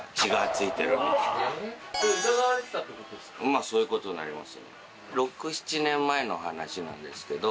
まあそういう事になりますね。